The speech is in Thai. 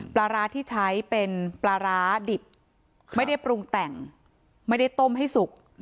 ปลาร้าที่ใช้เป็นปลาร้าดิบไม่ได้ปรุงแต่งไม่ได้ต้มให้สุก